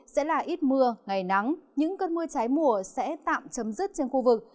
sẽ là ít mưa ngày nắng những cơn mưa cháy mùa sẽ tạm chấm dứt trên khu vực